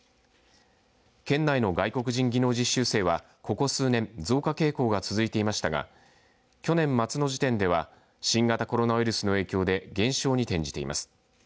県内の外国人技能実習生はここ数年増加傾向が続いていましたが去年末の時点では新型コロナウイルスの影響で減少に転じています。